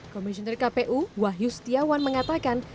komisioner kpu wahyu setiawan mengatakan